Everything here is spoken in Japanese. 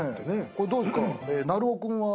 これどうですか？